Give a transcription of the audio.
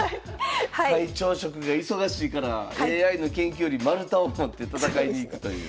会長職が忙しいからＡＩの研究より丸太を持って戦いに行くという。